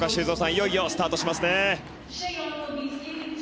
いよいよスタートしますね。